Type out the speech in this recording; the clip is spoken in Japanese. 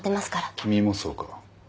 君もそうか。